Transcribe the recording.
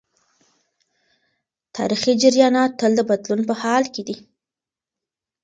تاریخي جریانات تل د بدلون په حال کي دي.